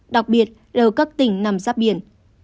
đặc biệt là ở các tỉnh nằm giáp biển